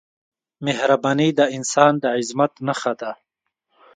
مهرباني د انسان د عظمت نښه ده.